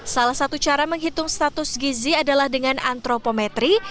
salah satu cara menghitung status gizi adalah dengan antropometri